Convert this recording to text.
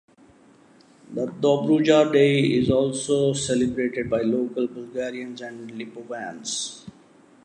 The Dobruja Day is also celebrated by local Bulgarians and Lipovans.